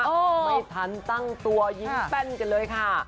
ไม่ทันตั้งตัวยิงแป้นกันเลยค่ะ